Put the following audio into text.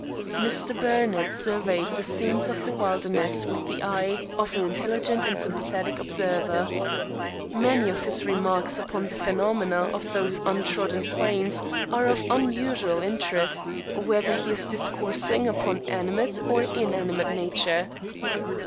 Mr. Burnett surveyed the scenes of the wilderness with the eye of an intelligent and sympathetic observer. Many of his remarks upon the phenomena of those untrodden plains are of unusual interest, whether he is discoursing upon animate or inanimate nature.